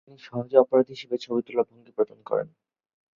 তিনি সহজেই অপরাধী হিসাবে ছবি তোলার ভঙ্গি প্রদান করেন।